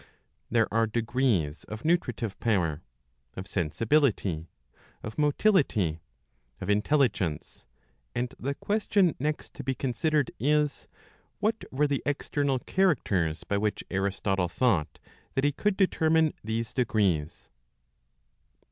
There are degree s of Nutritive power, of Sensibility, of Motility, of Intelligence ; and the question next to be considered is, what were the external characters by which Aristotle thought that he could determine these degrees.